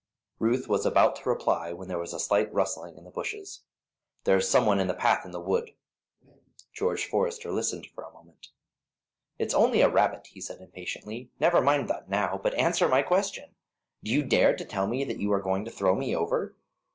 Ruth was about to reply, when there was a slight rustling in the bushes. "There is some one in the path in the wood." George Forester listened for a moment. "It's only a rabbit," he said, impatiently. "Never mind that now, but answer my question. Do you dare to tell me that you are going to throw me over?"